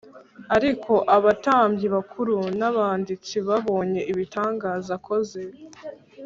Ariko abatambyi bakuru n’abanditsi babonye ibitangaza akoze